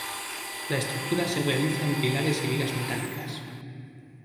La estructura se realiza en pilares y vigas metálicas.